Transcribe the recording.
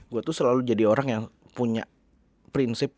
gue tuh selalu jadi orang yang punya prinsip